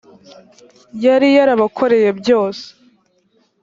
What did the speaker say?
yari yarabakoreye byose